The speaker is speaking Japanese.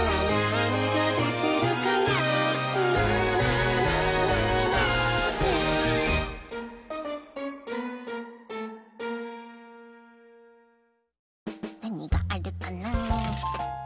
なにがあるかな？